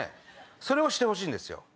それをしてほしいんですよ。